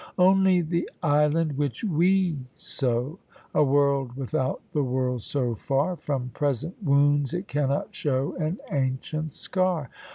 Only the island which we sow, A world without the world so far, From present wounds, it cannot show An ancient scar.